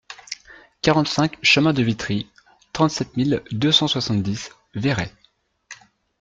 quarante-cinq chemin de Vitrie, trente-sept mille deux cent soixante-dix Véretz